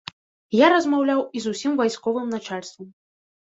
Я размаўляў і з усім вайсковым начальствам.